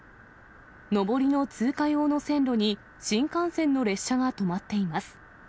上りの通過用の線路に、新幹線の列車が止まっています。